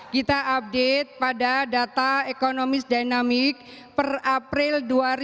kita update pada data ekonomis dinamik per april dua ribu delapan belas